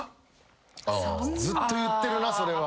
ずっと言ってるなそれは。